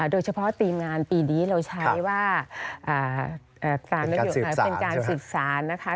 โดยเฉพาะทีมงานปีนี้เราใช้ว่าการนโยบายเป็นการสืบสารนะคะ